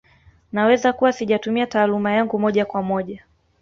Naweza kuwa sijatumia taaluma yangu moja kwa moja